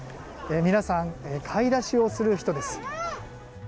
皆さん、買い出しをする人です。